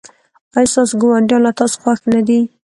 ایا ستاسو ګاونډیان له تاسو خوښ نه دي؟